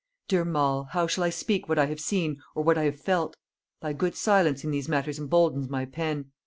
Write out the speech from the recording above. Dear Mall, how shall I speak what I have seen or what I have felt? thy good silence in these matters emboldens my pen.